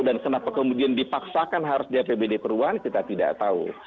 dan kenapa kemudian dipaksakan harus di apbd peruan kita tidak tahu